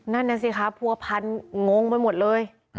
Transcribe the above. นั่นน่ะสิคะผัวพันงงไปหมดเลย